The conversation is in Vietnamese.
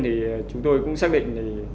thì chúng tôi cũng xác định